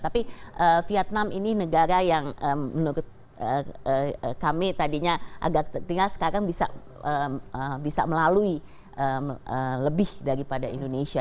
tapi vietnam ini negara yang menurut kami tadinya agak tinggal sekarang bisa melalui lebih daripada indonesia